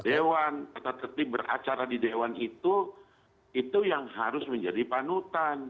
dewan tata tertib beracara di dewan itu itu yang harus menjadi panutan